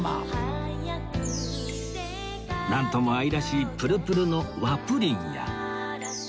なんとも愛らしいぷるぷるの和プリンや